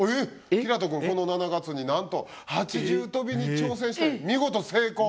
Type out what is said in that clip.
煌人くんこの７月になんと８重跳びに挑戦して見事成功。